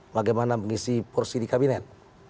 bagaimana mengisi porsi di kabinet